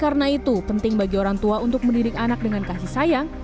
karena itu penting bagi orang tua untuk mendidik anak dengan kasih sayang